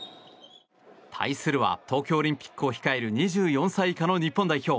対するは、東京オリンピックを控える２４歳以下の日本代表。